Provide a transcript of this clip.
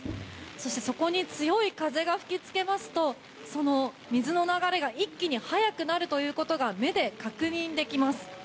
そしてそこに強い風が吹きつけるとその水の流れが一気に速くなることが目で確認できます。